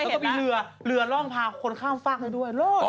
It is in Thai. แล้วก็มีเรือเรือร่องพาคนข้ามฝากให้ด้วย